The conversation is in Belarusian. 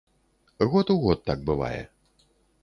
Год у год так бывае.